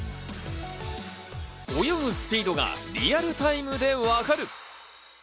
泳ぐスピードがリアルタイムでわかる。